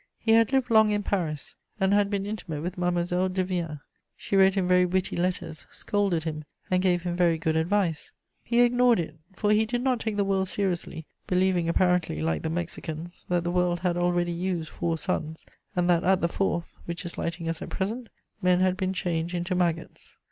He had lived long in Paris, and had been intimate with Mademoiselle Devienne. She wrote him very witty letters, scolded him, and gave him very good advice: he ignored it, for he did not take the world seriously, believing apparently, like the Mexicans, that the world had already used four suns, and that at the fourth (which is lighting us at present) men had been changed into maggots.